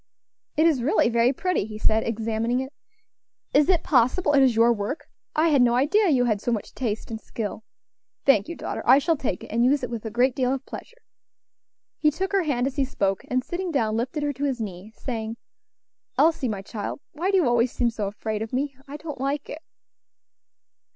"It is really very pretty," he said, examining it; "is it possible it is your work? I had no idea you had so much taste and skill. Thank you, daughter; I shall take it, and use it with a great deal of pleasure." He took her hand as he spoke, and sitting down, lifted her to his knee, saying, "Elsie, my child, why do you always seem so afraid of me? I don't like it."